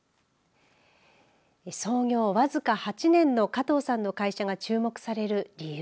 創業僅か８年の加藤さんの会社が注目される理由